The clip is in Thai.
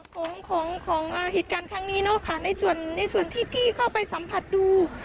ของของเหตุการณ์ครั้งนี้เนอะค่ะในส่วนในส่วนที่พี่เข้าไปสัมผัสดู